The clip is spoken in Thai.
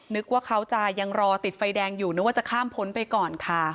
นึกว่าเขาจะยังรอติดไฟแดงอยู่นึกว่าจะข้ามพ้นไปก่อนค่ะ